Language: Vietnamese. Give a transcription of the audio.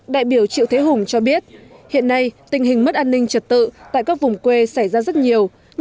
đại biểu triệu thế hùng cho biết hiện nay tình hình mất an ninh trật tự tại các vùng quê xảy ra rất nhiều